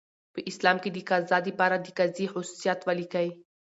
په اسلام کي دقضاء د پاره دقاضي خصوصیات ولیکئ؟